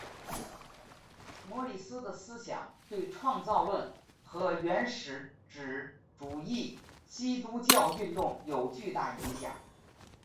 摩里斯的思想对创造论和原教旨主义基督教运动有巨大影响。